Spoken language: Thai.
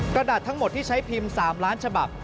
กระดาษทั้งหมดที่ใช้พิมพ์๓ล้านฉบับ